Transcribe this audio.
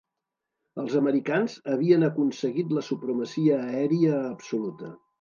Els americans havien aconseguit la supremacia aèria absoluta.